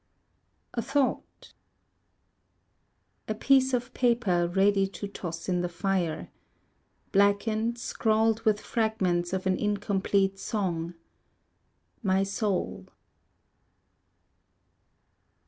A Thought A piece of paper ready to toss in the fire, Blackened, scrawled with fragments of an incomplete song: My soul.